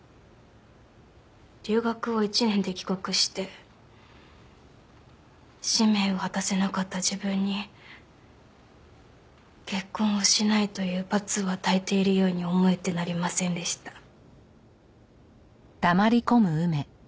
留学を１年で帰国して使命を果たせなかった自分に結婚をしないという罰を与えているように思えてなりませんでした。